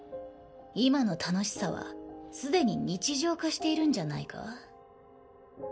今の楽しさはすでに日常化しているんじゃないか？